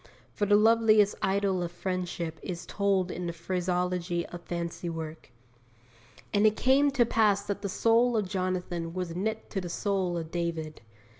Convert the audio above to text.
For the loveliest idyll of friendship is told in the phraseology of fancy work. 'And it came to pass that the soul of Jonathan was knit to the soul of David.'